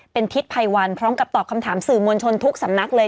เป็นทิศภัยวันพร้อมกับตอบคำถามสื่อมวลชนทุกสำนักเลย